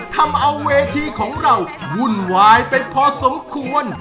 ทำเอาเวทีของเราวุ่นวายไปพอสมควร